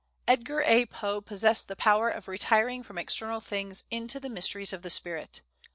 Edgar A. Poe possessed the power of retiring from external things into the mysteries of the spirit.